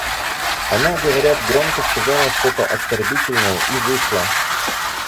Она, говорят, громко сказала что-то оскорбительное и вышла.